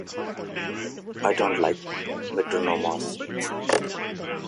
I don't like metronomes.